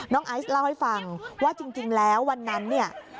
ไอซ์เล่าให้ฟังว่าจริงแล้ววันนั้นเนี่ย